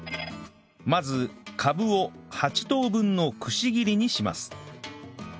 まずカブを８等分のくし切りにします